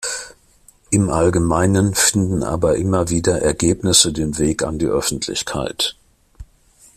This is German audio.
Im Allgemeinen finden aber immer wieder Ergebnisse den Weg an die Öffentlichkeit.